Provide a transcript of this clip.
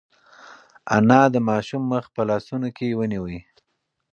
انا د ماشوم مخ په لاسونو کې ونیو.